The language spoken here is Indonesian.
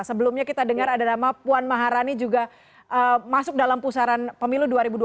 sebelumnya kita dengar ada nama puan maharani juga masuk dalam pusaran pemilu dua ribu dua puluh